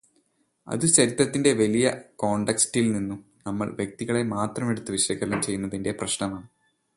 അതു ചരിത്രത്തിന്റെ വലിയ കോണ്ടക്സ്റ്റീല് നിന്നും നമ്മള് വ്യക്തികളെ മാത്രമെടുത്ത് വിശകലനം ചെയ്യുന്നതിന്റെ പ്രശ്നമാണ്.